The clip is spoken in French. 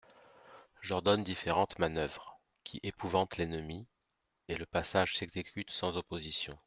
J'ordonne différentes manoeuvres, qui épouvantent l'ennemi, et le passage s'exécute sans opposition.